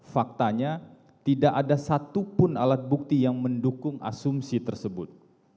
faktanya tidak ada satupun alat bukti yang mendukung asumsi tersebut